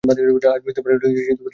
আজ বুঝিতে পারিল, সে কথাটা অমূলক নহে।